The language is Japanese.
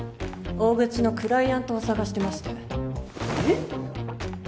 大口のクライアントを探してましてえっ？